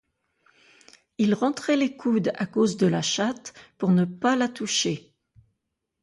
Il rentrait les coudes, à cause de la chatte, pour ne pas la toucher.